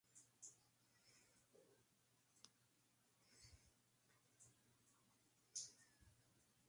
Cuando regresó de Portugal, trajo muchos dulces y mermeladas para ellos.